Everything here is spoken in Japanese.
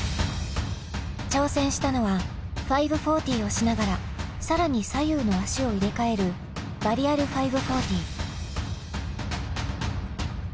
挑戦したのは５４０をしながら更に左右の足を入れ替えるバリアル５４０。